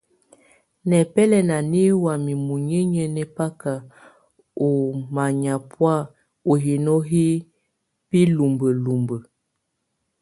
Nɛbɛlɛna nɛ wamɛ muninyə nɛbaka ɔ mayabɔa ɔ hino hɛ bilumbəlúmbə́.